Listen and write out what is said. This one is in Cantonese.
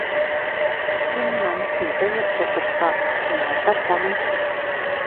英文詞得一個讀法唔係得咖咩